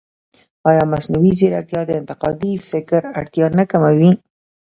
ایا مصنوعي ځیرکتیا د انتقادي فکر اړتیا نه کموي؟